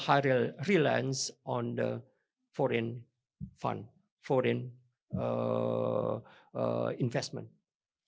dengan juga reliance yang tinggi pada pendapatan luar negara